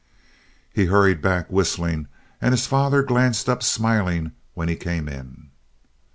He hurried back, whistling; and his father glanced up smiling when he came in.